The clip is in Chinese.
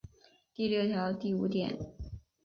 第六条第五点